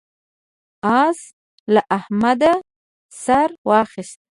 اس له احمده سر واخيست.